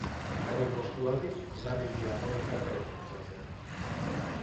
Bigarren postua, aldiz, Hondarribia Arraun Elkartearentzat izan zen.